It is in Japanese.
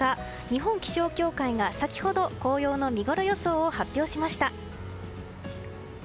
日本気象協会が先ほど紅葉の見ごろ予想を発表しました。